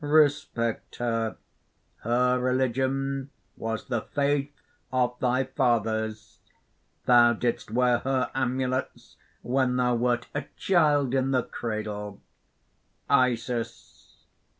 respect her! Her religion was the faith of thy fathers! thou didst wear her amulets when thou wert a child in the cradle!" ISIS.